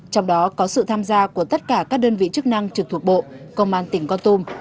trong đó có sự tham gia của tất cả các đơn vị chức năng trực thuộc bộ công an tỉnh con tum